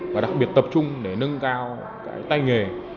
và đặc biệt tập trung để nâng cao cái tay nghề